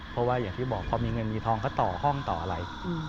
เพราะว่าอย่างที่บอกพอมีเงินมีทองก็ต่อห้องต่ออะไร